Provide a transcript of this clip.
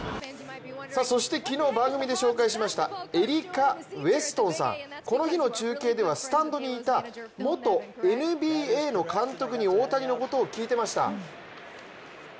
そして昨日番組で紹介しましたエリカ・ウェストンさん、この日の中継ではスタンドにいた元ＮＢＡの監督に大谷のことを聞いていました。